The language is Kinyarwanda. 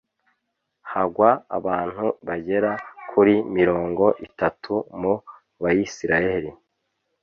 hagwa abantu bagera kuri mirongo itatu mu bayisraheli